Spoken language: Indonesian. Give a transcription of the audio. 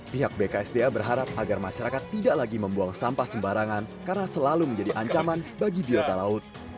pihak bksda berharap agar masyarakat tidak lagi membuang sampah sembarangan karena selalu menjadi ancaman bagi biota laut